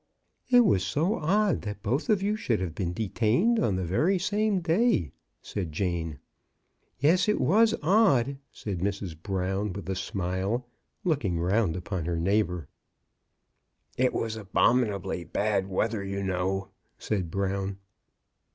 It was so odd that both of you should have been detained on the very same day," said Jane. *' Yes, it was odd," said Mrs. Brown, with a smile, looking round upon her neighbor. " It was abominably bad weather, you know," said Brown.